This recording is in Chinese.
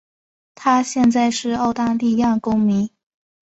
她现在是澳大利亚公民。